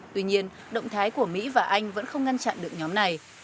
tuy nhiên động thái của mỹ và anh vẫn không ngăn chặn được nhóm này